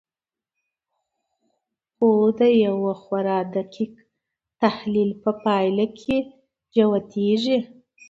خو د یوه خورا دقیق تحلیل په پایله کې جوتېږي